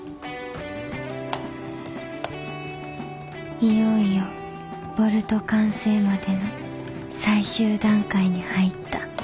「いよいよボルト完成までの最終段階に入った。